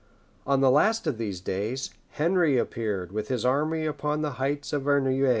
On the last of these days, Henry appeared with his army upon the heights above Verneuil.